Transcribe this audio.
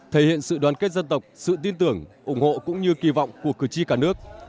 thể hiện sự đoàn kết dân tộc sự tin tưởng ủng hộ cũng như kỳ vọng của cử tri cả nước